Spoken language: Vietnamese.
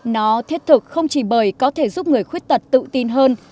nó thiết thực không chỉ bởi có thể giúp người khuyết tật tự tin hơn